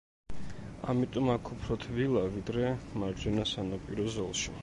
ამიტომ აქ უფრო თბილა, ვიდრე მარჯვენა სანაპირო ზოლში.